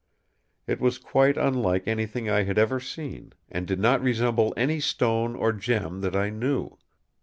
It was quite unlike anything I had ever seen, and did not resemble any stone or gem that I knew.